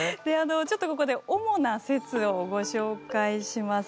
ちょっとここで主な説をご紹介します。